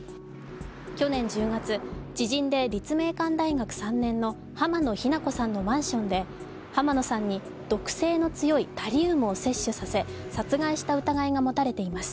去年１０月、知人で立命館大学３年の濱野日菜子さんのマンションで濱野さんに毒性の強いタリウムを摂取させ殺害した疑いがもたれています。